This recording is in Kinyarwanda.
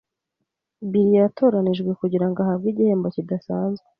Bill yatoranijwe kugirango ahabwe igihembo kidasanzwe.